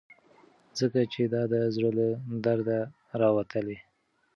ځکه چې دا د زړه له درده راوتلي.